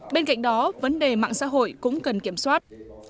bên cạnh đó vấn đề mạng xã hội cũng cần kiểm soát